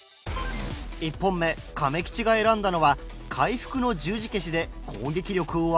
１本目かめきちが選んだのは回復の十字消しで攻撃力を上げるモンスター。